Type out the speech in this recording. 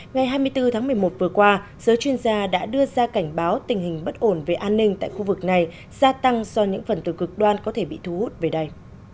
ngày hai mươi bốn tháng một mươi một vừa qua giới chuyên gia đã đưa ra cảnh báo tình hình bất ổn về an ninh tại khu vực này gia tăng do những phần tử cực đoan có thể bị thu hút về đây